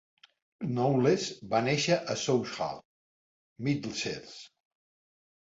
Knowles va néixer a Southall, Middlesex.